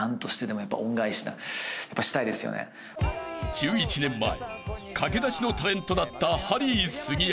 ［１１年前駆け出しのタレントだったハリー杉山］